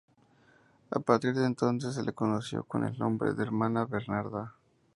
A partir de entonces se la conoció con el nombre de Hermana Bernarda.